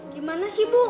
gimana sih bu